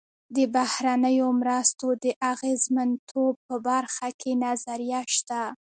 د بهرنیو مرستو د اغېزمنتوب په برخه کې نظریه شته.